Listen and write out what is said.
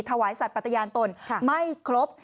ถวายสัตว์ปฏิญาณตนไม่ครบ